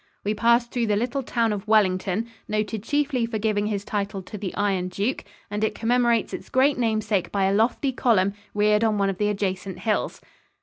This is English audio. We passed through the little town of Wellington, noted chiefly for giving his title to the Iron Duke, and it commemorates its great namesake by a lofty column reared on one of the adjacent hills.